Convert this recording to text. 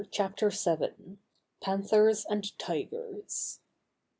CHAPTER VII. PANTHERS AND TIGERS.